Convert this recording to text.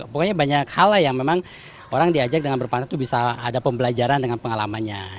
pokoknya banyak hal lah yang memang orang diajak dengan berpangkat itu bisa ada pembelajaran dengan pengalamannya